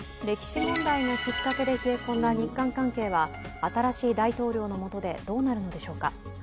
歴史問題がきっかけで冷え込んだ日韓関係は新しい大統領の下でどうなるのでしょうか。